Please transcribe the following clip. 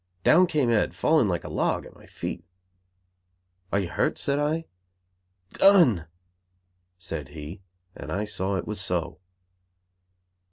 Down came Ed, falling like a log at my feet. "Are you hurt?" said I. "Done!" said he, and I saw it was so.